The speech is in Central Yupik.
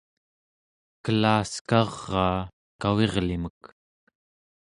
kela'askaraa kavirlimek